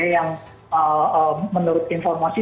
yang menurut informasi